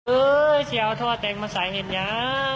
เอ้ยจะเอาท่อแต่งมาใส่เห็นยัง